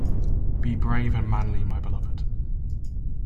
Be brave and manly, my beloved!